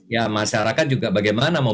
ya masyarakat juga bagaimana mau